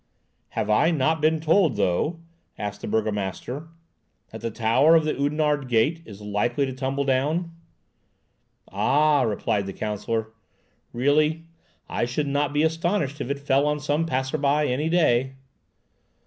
"Have I not been told, though," asked the burgomaster, "that the tower of the Oudenarde gate is likely to tumble down?" "Ah!" replied the counsellor; "really, I should not be astonished if it fell on some passer by any day."